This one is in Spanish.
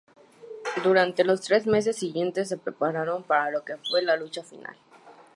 Durante los tres meses siguientes se prepararon para lo que fue la lucha final.